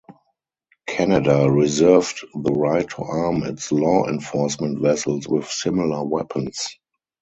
Canada reserved the right to arm its law enforcement vessels with similar weapons.